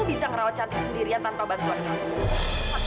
aku bisa ngerawat cantik sendirian tanpa bantuan kamu